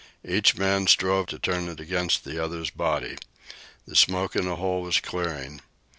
Each man strove to turn it against the other's body. The smoke in the hole was clearing.